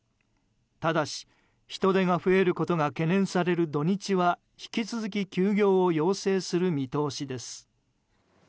ただし、人出が増えることが懸念される土日は引き続き休業を要請する見通しです。